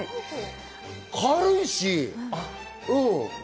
軽いし。